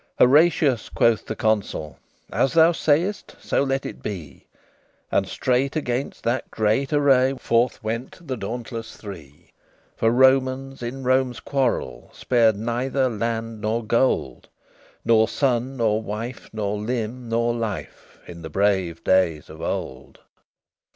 XXXI "Horatius," quoth the Consul, "As thou sayest, so let it be." And straight against that great array Forth went the dauntless Three. For Romans in Rome's quarrel Spared neither land nor gold, Nor son nor wife, nor limb nor life, In the brave days of old.